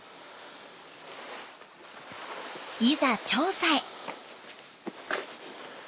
いざ調査へ。